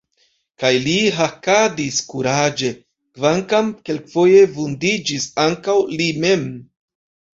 Kaj li hakadis kuraĝe, kvankam kelkfoje vundiĝis ankaŭ li mem.